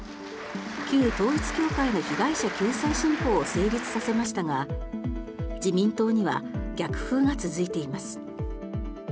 旧統一教会の被害者救済新法を成立させましたが自民党には逆風が続いています。